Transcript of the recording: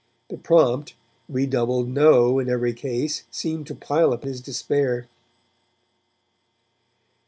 The prompt, redoubled 'No' in every case seemed to pile up his despair.